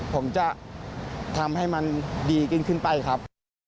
ผมจะทำให้มันดีขึ้นไปครับ